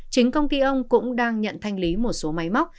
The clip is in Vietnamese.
chính công ty ông cũng đang nhận thanh lý một số máy móc